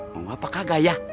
mau apa kagak ya